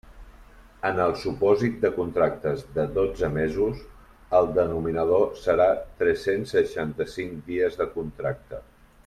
En el supòsit de contractes de dotze mesos, el denominador serà tres-cents seixanta-cinc dies de contracte.